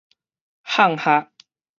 胮箬